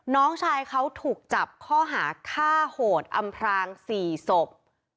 น้องชายเขาถูกจับข้อหาฆ่าโหดอำพราง๔ศพ